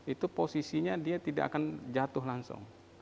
itu posisinya dia tidak akan jatuh langsung